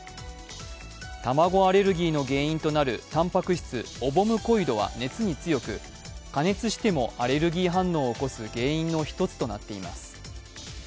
卵アレルギーの原因となるたんぱく質オボムコイドは熱に強く加熱しても、アレルギー反応を起こす原因の一つとなっています。